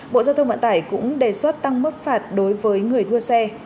bộ giao thông vận tải cũng đề xuất tăng mức phạt đối với người đua xe